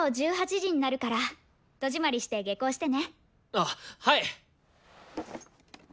あっはい！